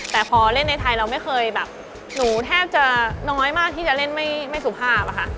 แต่พอเล่นในไทยหนูแทบจะน้อยมากที่จะเล่นไม่สุภาพค่ะ